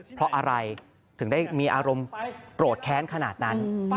เพราะอะไรถึงได้มีอารมณ์โกรธแค้นขนาดนั้น